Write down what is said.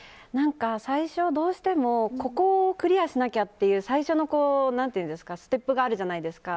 最初、どうしてもここをクリアしなきゃという最初のステップがあるじゃないですか。